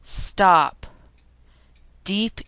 STOP Deep.